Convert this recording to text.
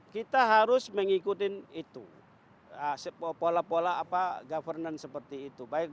kita harus mengikutin itu pola pola apa governance seperti itu baik